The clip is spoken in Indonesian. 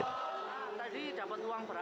tadi dapat uang berapa